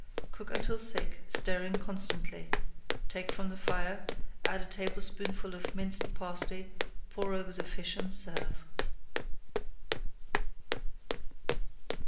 Cook until thick, stirring constantly; take from the fire, add a teaspoonful of minced parsley, pour over the fish, and serve.